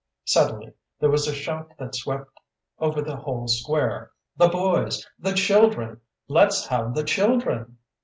"Suddenly there was a shout that swept over the whole square: 'The boys! The children! Let's have the children!'"